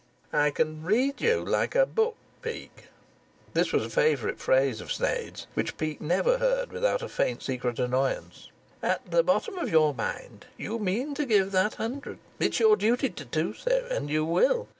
"I can read you like a book, Peake." This was a favourite phrase of Sneyd's, which Peake never heard without a faint secret annoyance. "At the bottom of your mind you mean to give that hundred. It's your duty to do so, and you will.